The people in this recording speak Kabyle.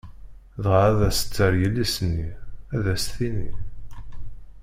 Dɣa ad as-terr yelli-s-nni, ad as-tini.